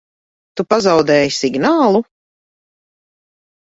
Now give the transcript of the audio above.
Tu pazaudēji signālu?